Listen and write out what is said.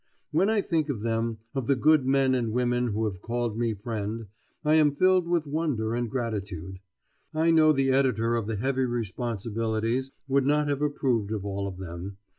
When I think of them, of the good men and women who have called me friend, I am filled with wonder and gratitude. I know the editor of the heavy responsibilities would not have approved of all of them.